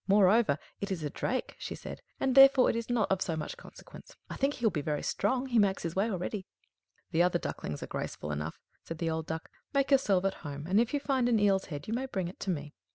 "Moreover, it is a drake," she said, "and therefore it is not of so much consequence. I think he will be very strong. He makes his way already." "The other ducklings are graceful enough," said the old Duck. "Make yourself at home; and if you find an eel's head, you may bring it me."